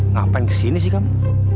ngapain kesini sih kamu